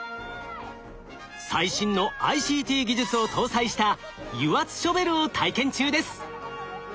最新のＩＣＴ技術を搭載した油圧ショベルを体験中です。